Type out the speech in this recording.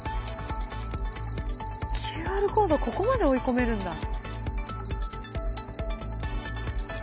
ＱＲコードここまで追い込めるんだ。